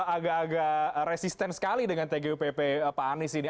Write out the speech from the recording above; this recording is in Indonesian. agak agak resisten sekali dengan tgupp pak anies ini